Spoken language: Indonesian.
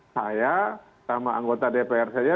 saya sama anggota dpr saja